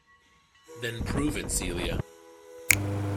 Then prove it, Celia.